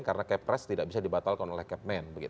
karena kepres tidak bisa dibatalkan oleh kepmen